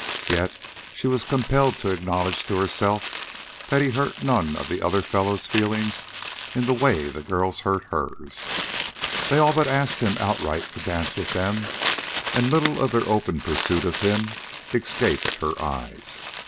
Yet she was compelled to acknowledge to herself that he hurt none of the other fellows' feelings in the way the girls hurt hers. They all but asked him outright to dance with them, and little of their open pursuit of him escaped her eyes.